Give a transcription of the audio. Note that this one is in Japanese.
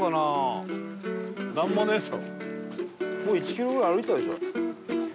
もう１キロぐらい歩いたでしょ。